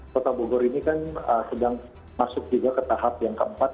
kota bogor ini kan sedang masuk juga ke tahap yang keempat